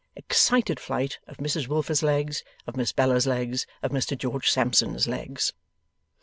Excited flight of Mrs Wilfer's legs, of Miss Bella's legs, of Mr George Sampson's legs.